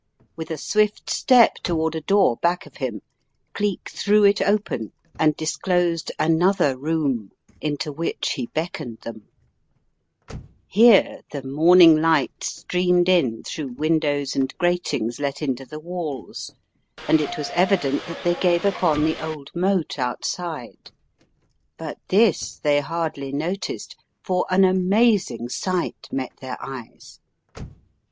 With a swift step toward a door back of him, Cleek threw it open and disclosed another room into which he beckoned them. An Unexpected Contretemps 287 Here the morning light streamed in through win dows and gratings let into the walls, and it was evi dent that they gave upon the old moat outside. But this they hardly noticed, for an amazing sight met their eyes.